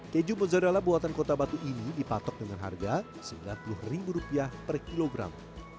keju mozzarella buatan kota batu ini dipatok dengan harga rp sembilan puluh per kilogram